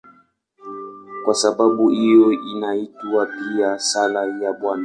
Kwa sababu hiyo inaitwa pia "Sala ya Bwana".